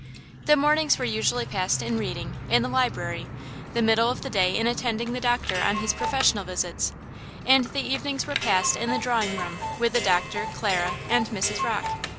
The mornings were usually passed in reading, in the library; the middle of the day in attending the doctor on his professional visits, and the evenings were passed in the drawing room with the doctor, Clara and Mrs. Rocke.